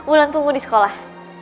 ulan tunggu di sekolah